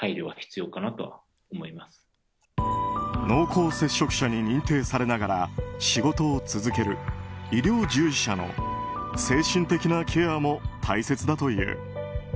濃厚接触者に認定されながら仕事を続ける医療従事者の精神的なケアも大切だという。